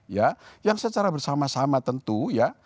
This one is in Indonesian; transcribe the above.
ya yang secara bersama sama tentu ya